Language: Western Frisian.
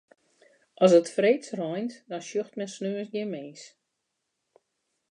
As it freeds reint, dan sjocht men sneons gjin mins.